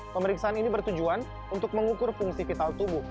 pemeriksaan ini bertujuan untuk mengukur fungsi vital tubuh